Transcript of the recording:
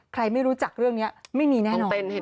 ไม่รู้จักเรื่องนี้ไม่มีแน่นอน